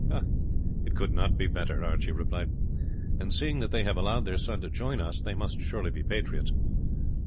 "It could not be better," Archie replied; "and seeing that they have allowed their son to join us, they must surely be patriots.